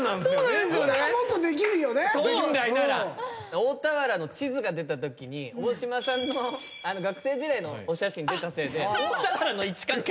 大田原の地図が出たときに大島さんの学生時代のお写真出たせいで大田原の位置関係